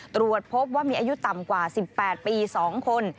ตรวจพบว่ามีอายุต่ำกว่า๑๘ปี๒คน